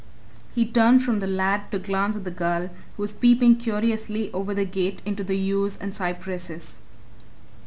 He turned from the lad to glance at the girl, who was peeping curiously over the gate into the yews and cypresses.